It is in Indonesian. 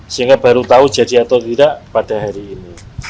sehingga baru tahu jadi atau tidak pada hari ini